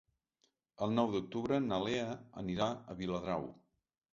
El nou d'octubre na Lea anirà a Viladrau.